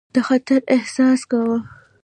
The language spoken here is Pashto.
د خطر احساس کاوه.